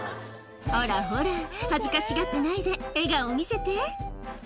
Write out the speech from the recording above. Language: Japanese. ほらほら、恥ずかしがってないで、笑顔見せて。